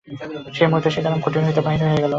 সেই মুহূর্তে সীতারাম কুটীর হইতে বাহির হইয়া গেল।